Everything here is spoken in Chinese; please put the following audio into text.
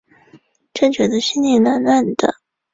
就觉得心里暖暖的